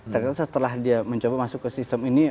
ternyata setelah dia mencoba masuk ke sistem ini